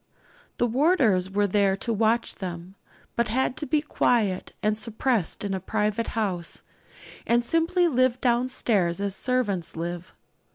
The warders were there to watch them, but had to be quiet and suppressed in a private house, and simply lived down stairs as servants live.